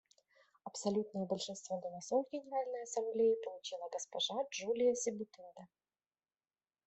Абсолютное большинство голосов в Генеральной Ассамблее получила госпожа Джулия Себутинде.